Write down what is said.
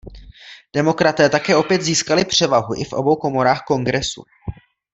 Demokraté také opět získali převahu i v obou komorách Kongresu.